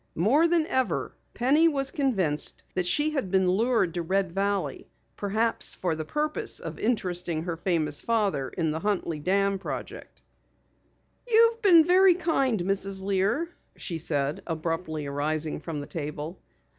More than ever Penny was convinced that she had been lured to Red Valley, perhaps for the purpose of interesting her famous father in the Huntley Dam project. "You've been very kind, Mrs. Lear," she said, abruptly arising from the table.